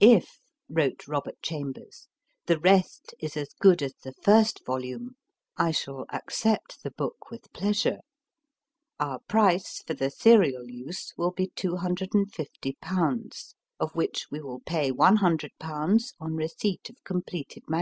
If, wrote Robert Chambers, the rest is as good as the first volume, I shall ac cept the book with pleasure. Our price for the serial use will be 25<D/., of which we will pay ioo/. on receipt of com pleted MS.